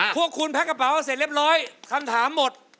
พวกคุณแพ็กกระเป๋าเสร็จเรียบร้อยคำถามหมด